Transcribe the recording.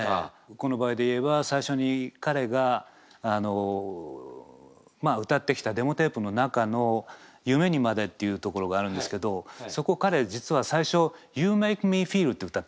この場合で言えば最初に彼が歌ってきたデモテープの中の「夢にまで」っていうところがあるんですけどそこ彼実は最初「ｙｏｕｍａｋｅｍｅｆｅｅｌ」って歌ってきたんですよ。